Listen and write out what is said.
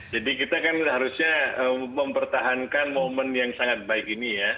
jadi kita kan harusnya mempertahankan momen yang sangat baik ini ya